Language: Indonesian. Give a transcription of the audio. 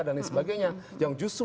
dan sebagainya yang justru